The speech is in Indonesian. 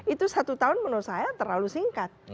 itu satu tahun menurut saya terlalu singkat